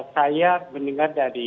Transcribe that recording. saya mendengar dari